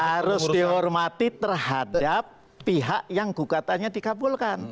harus dihormati terhadap pihak yang gugatannya dikabulkan